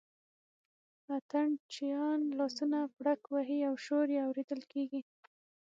اتڼ چیان لاسونه پړک وهي او شور یې اورېدل کېږي.